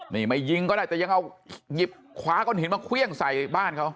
นี่ไม่ยิงก็ได้แต่ยังเอาหยิบขวาก้อนหินมาเครื่องใส่บ้านเขา